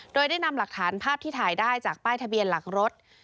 โดยได้นำหลักฐานภาพที่ถ่ายได้จากป้ายทะเบียนหลักรถ